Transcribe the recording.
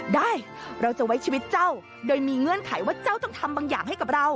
ได้เราจะไว้ชีวิตเจ้าโดยมีเงื่อนไขว่าเจ้าต้องทำบางอย่างให้กับเรา